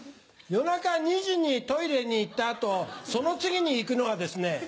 夜中２時にトイレに行った後その次に行くのはですね。